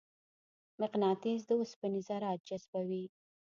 مقناطیس د اوسپنې ذرات جذبوي.